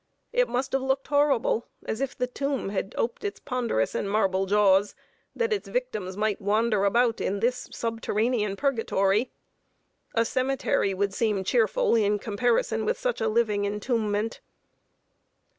It must have looked horrible as if the tomb had oped its ponderous and marble jaws, that its victims might wander about in this subterranean Purgatory. A cemetery would seem cheerful in comparison with such a living entombment.